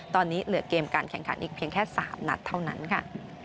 ตอนนี้เหลือเกมการแข่งขันอีกเพียงแค่๓นัดเท่านั้นค่ะ